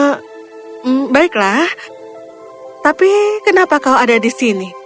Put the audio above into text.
hmm baiklah tapi kenapa kau ada di sini